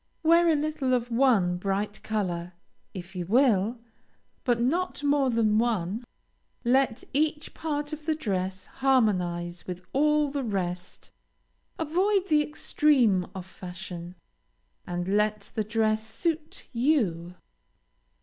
Wear a little of one bright color, if you will, but not more than one. Let each part of the dress harmonize with all the rest; avoid the extreme of fashion, and let the dress suit you.